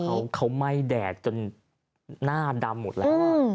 คุณผู้ชมภาพเขาเขาไหม้แดดจนหน้าดำหมดแล้ว